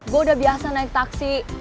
gue udah biasa naik taksi